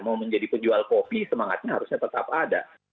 mau menjadi penjual kopi semangatnya harusnya tetap ada